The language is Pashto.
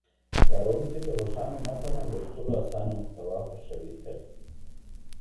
کاروونکي د روښانه متن او لوستلو اسانه محتوا خوښوي تل.